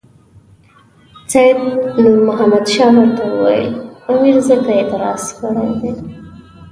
سید نور محمد شاه ورته وویل امیر ځکه اعتراض کړی دی.